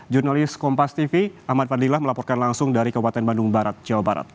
jurnalis kompas tv ahmad fadlilah melaporkan langsung dari kabupaten bandung barat jawa barat